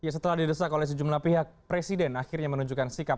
setelah didesak oleh sejumlah pihak presiden akhirnya menunjukkan sikap